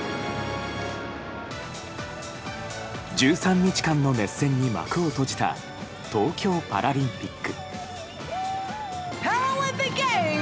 １３日間の熱戦に幕を閉じた東京パラリンピック。